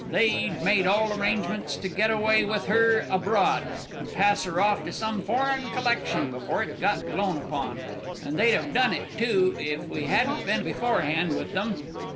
They'd made all arrangements to get away with her abroad, and pass her off on some foreign collection before it got blown upon; and they'd have done it too if we hadn't been beforehand with them!